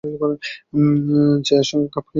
জয়ার সঙ্গে খাপ খায় না মতির।